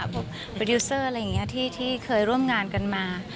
โปรดิวเซอร์อะไรอย่างนี้ที่เคยร่วมงานกันมา